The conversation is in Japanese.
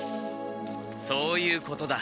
そういうことだ。